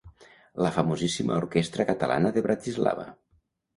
La famosíssima Orquestra Catalana de Bratislava.